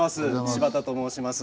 柴田と申します。